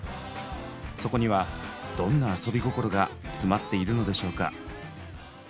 そこにはどんな「アソビゴコロ」が詰まっているのでしょうか。